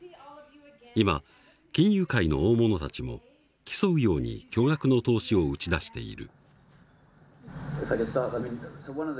今金融界の大物たちも競うように巨額の投資を打ち出している。